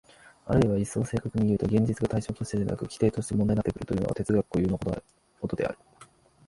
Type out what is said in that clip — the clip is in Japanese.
あるいは一層正確にいうと、現実が対象としてでなく基底として問題になってくるというのが哲学に固有なことである。